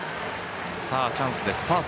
さあ、チャンスです。